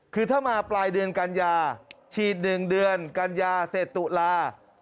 คือถ้ามาปลายเดือนกันยาฉีด๑เดือนกันยาเสร็จตุลา